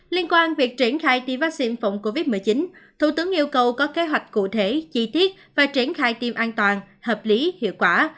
liên quan việc triển khai tiêm vaccine phòng covid một mươi chín thủ tướng yêu cầu có kế hoạch cụ thể chi tiết và triển khai tiêm an toàn hợp lý hiệu quả